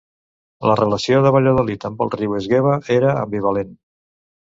La relació de Valladolid amb el riu Esgueva era ambivalent.